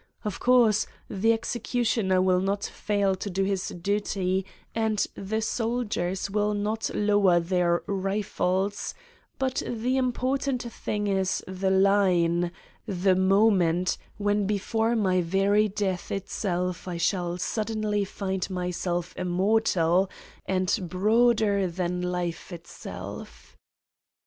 Of course, the executioner will not fail to do his duty and the soldiers will not lower their rifles, but the import ant thing is the line, the moment, when before my very death itself I shall suddenly find my self immortal and broader than life itself.